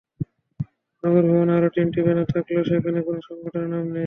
নগর ভবনে আরও তিনটি ব্যানার থাকলেও সেখানে কোনো সংগঠনের নাম নেই।